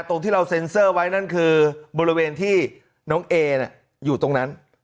ตรงที่เราเซ็นเซอร์ไว้นั่นคือบริเวณที่น้องเออยู่ตรงนั้น